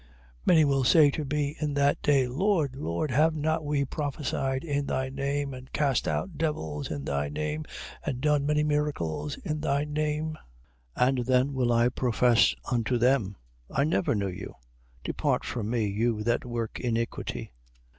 7:22. Many will say to me in that day: Lord, Lord, have not we prophesied in thy name, and cast out devils in thy name, and done many miracles in thy name? 7:23. And then will I profess unto them, I never knew you: depart from me, you that work iniquity.